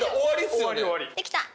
できた！